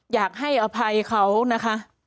อยากให้อภัยเขานะคะ